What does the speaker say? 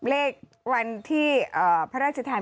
เลขวันที่พระราชทาน